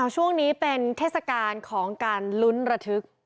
ช่วงนี้เป็นเทศกาลของการลุ้นระทึก